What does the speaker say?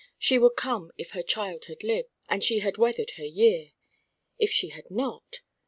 She would come if her child had lived, and she had weathered her year. If she had not!